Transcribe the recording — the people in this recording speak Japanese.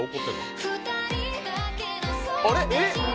あれ？